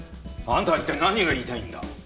あんたは一体何が言いたいんだ？